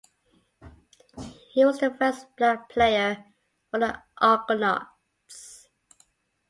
He was the first Black player for the Argonauts.